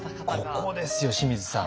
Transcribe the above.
ここですよ清水さん。